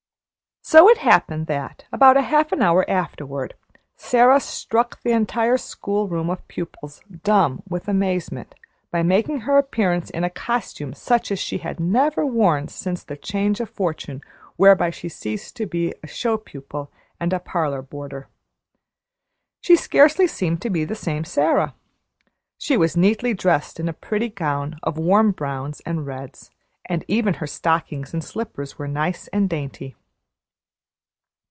So it happened that, about half an hour afterward, Sara struck the entire school room of pupils dumb with amazement, by making her appearance in a costume such as she had never worn since the change of fortune whereby she ceased to be a show pupil and a parlor boarder. She scarcely seemed to be the same Sara. She was neatly dressed in a pretty gown of warm browns and reds, and even her stockings and slippers were nice and dainty.